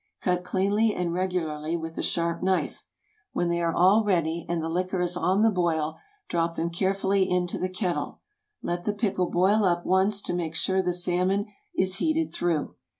Cut cleanly and regularly with a sharp knife. When they are all ready, and the liquor is on the boil, drop them carefully into the kettle. Let the pickle boil up once to make sure the salmon is heated through.